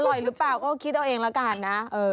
อร่อยหรือเปล่าก็คิดเอาเองแล้วกัน